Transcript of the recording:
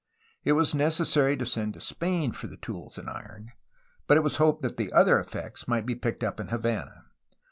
It was necessary to send to Spain for the tools and iron, but it was hoped that the other effects might be picked up in Havana.